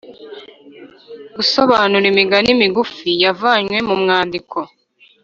Gusobanura imigani migufi yavanywe mu mwandiko